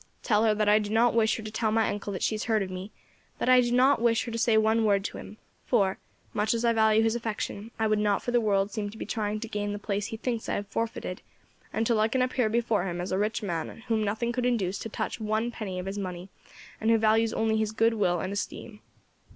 Tell her that I do not wish her to tell my uncle that she has heard of me; that I do not wish her to say one word to him, for, much as I value his affection, I would not for the world seem to be trying to gain the place he thinks I have forfeited, until I can appear before him as a rich man whom nothing could induce to touch one penny of his money, and who values only his good will and esteem.'